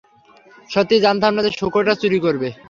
সত্যিই জানতাম না সে শূকরটা চুরি করবে।